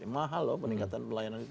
mahal loh peningkatan pelayanan